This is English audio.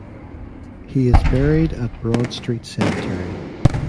He is buried at Broad Street Cemetery.